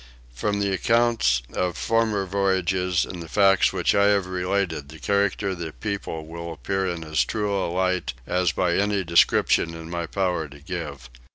From the accounts of former voyages and the facts which I have related the character of the people will appear in as true a light as by any description in my power to give.